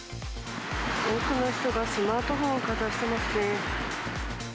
多くの人がスマートフォンをかざしてますね。